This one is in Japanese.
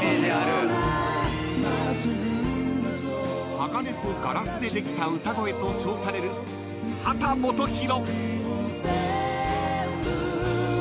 ［鋼とガラスでできた歌声と称される秦基博］